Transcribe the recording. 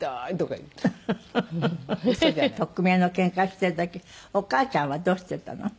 取っ組み合いのケンカしている時お母ちゃんはどうしていたの？